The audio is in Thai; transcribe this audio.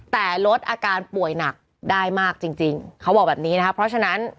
แต่ลดอาการป่วยหนักได้มากจริงจริงเขาบอกแบบนี้นะคะเพราะฉะนั้น